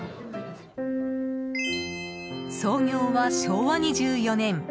創業は昭和２４年。